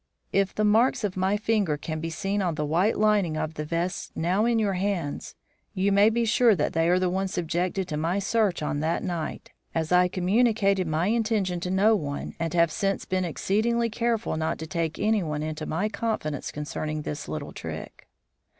If the marks of my finger can be seen on the white linings of the vests now in your hand, you may be sure they are the ones subjected to my search on that night, as I communicated my intention to no one and have since been exceedingly careful not to take anyone into my confidence concerning this little trick."